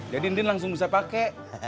jadi indin langsung bisa pake